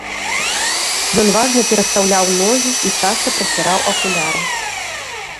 Ён важна перастаўляў ногі і часта праціраў акуляры.